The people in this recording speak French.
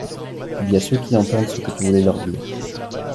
Il y a ceux qui entendent ce que tu voulais leur dire.